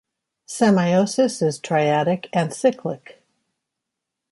Semiosis is triadic and cyclic.